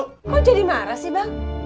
kamu jadi marah sih bang